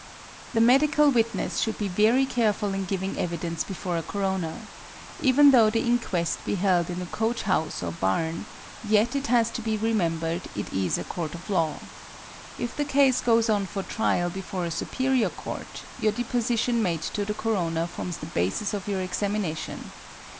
The medical witness should be very careful in giving evidence before a coroner. Even though the inquest be held in a coach house or barn, yet it has to be remembered it is a court of law. If the case goes on for trial before a superior court, your deposition made to the coroner forms the basis of your examination.